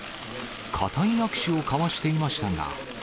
固い握手を交わしていましたが。